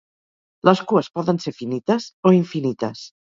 Les cues poden ser finites o infinites.